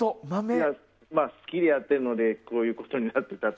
好きでやっているのでこういうことになっていました。